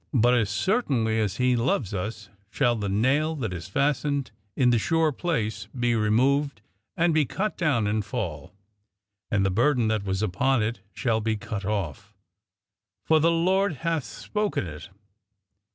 But as certainly as He loves us "shall the nail that is fastened in the sure place be removed, and be cut down and fall; and the burden that was upon it shall be cut off, for the Lord hath spoken it."